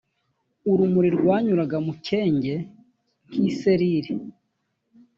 urumuri rwanyuraga mu kenge k’iserire